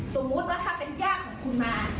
สมมุติว่าถ้าเป็นญาติของคุณมา